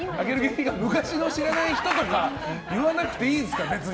昔の知らない人とか言わなくていいですから、別に。